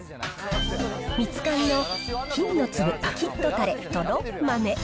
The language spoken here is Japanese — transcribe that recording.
ミツカンの金のつぶパキッ！とたれとろっ豆。